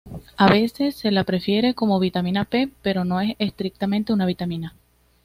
A veces se la refiere como vitamina P, pero no es estrictamente una vitamina.